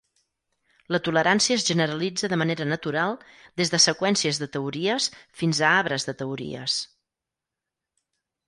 La tolerància es generalitza de manera natural des de seqüències de teories fins a arbres de teories.